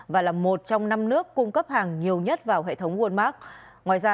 và là một trong năm nước cung cấp hàng nhiều nhất vào hệ thống walmark